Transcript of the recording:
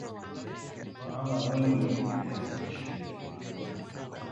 kuna wanga mwingi kwenye viazi lishe